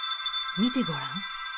見てごらん。